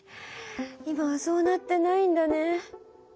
今はそうなってないんだね。